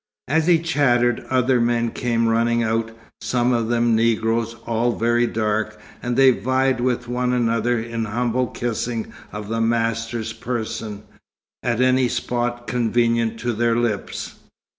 As he chattered, other men came running out, some of them Negroes, all very dark, and they vied with one another in humble kissing of the master's person, at any spot convenient to their lips.